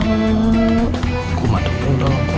aku matung dulu